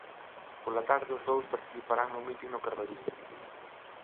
Pola tarde os dous participarán nun mitin no Carballiño.